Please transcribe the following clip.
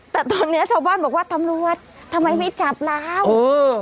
แต่ตอนเนี้ยชาวบ้านบอกว่าตำรวจทำไมไม่จับแล้วเออ